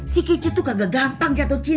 si kicit tuh nggak gampang jatuh cinta